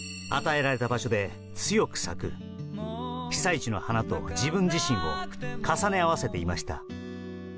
与えられた場所で強く咲く被災地の花と自分自身を重ね合わせていました。